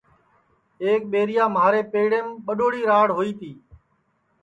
ایک ٻیریا مھارے پیڑیم ٻڈؔوڑی راڑ ہوئی تی